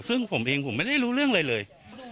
ซึ่งผมเองผมไม่ได้รู้เรื่องอะไรเลย